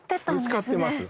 見つかってます